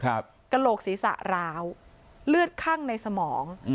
กระโหลกศีรษะร้าวเลือดคั่งในสมอง